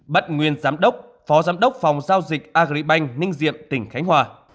bắt nguyên giám đốc phó giám đốc phòng giao dịch agribank ninh diện tp hcm